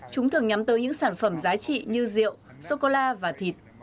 chúng thường nhắm tới những sản phẩm giá trị như rượu sô cô la và thịt